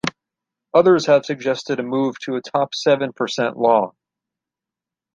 Others have suggested a move to a top seven percent law.